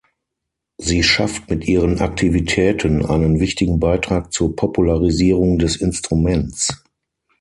Sie schafft mit ihren Aktivitäten einen wichtigen Beitrag zur Popularisierung des Instruments.